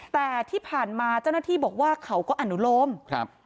แต่ที่ผ่านมาเจ้าหน้าที่บอกว่าเขาก็อนุโลมครับ